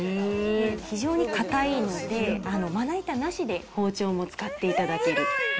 非常に硬いので、まな板なしで包丁も使っていただける。